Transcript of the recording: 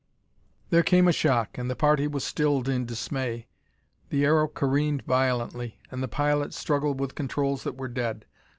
There came a shock and the party was stilled in dismay. The aero careened violently and the pilot struggled with controls that were dead.